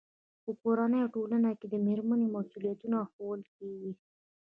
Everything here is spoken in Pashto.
په کورنۍ او ټولنه کې د مېرمنې مسؤلیتونه ښوول کېږي.